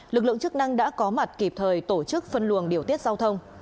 lực lượng chức năng đã có mặt kịp thời tổ chức phân luồng điều tiết giao thông